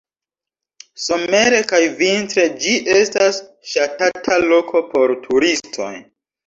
Somere kaj vintre ĝi estas ŝatata loko por turistoj.